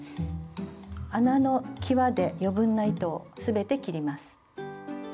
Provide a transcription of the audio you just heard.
穴のきわで余分な糸をすべて切ります。